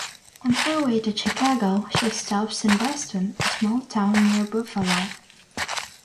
On her way to Chicago she stops in Beston, a small town near Buffalo.